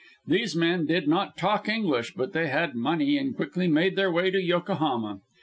These men did not talk English, but they had money and quickly made their way to Yokohama.